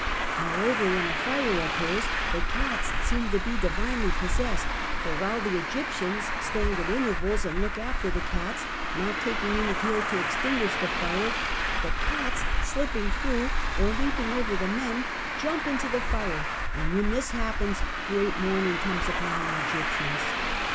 Moreover when a fire occurs, the cats seem to be divinely possessed; for while the Egyptians stand at intervals and look after the cats, not taking any care to extinguish the fire, the cats slipping through or leaping over the men, jump into the fire; and when this happens, great mourning comes upon the Egyptians.